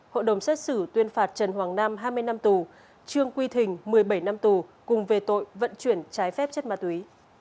hội đồng xét xử tuyên phạt trần hoàng nam hai mươi năm tù trương quy thình một mươi bảy năm tù cùng về tội vận chuyển trái phép chất ma túy